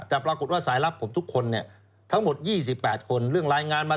แต่ปรากฏว่าสายลับผมทุกคนเนี่ยทั้งหมด๒๘คนเรื่องรายงานมา